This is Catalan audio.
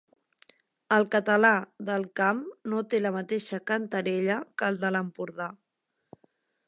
El català del Camp no té la mateixa cantarella que el de l'Empordà.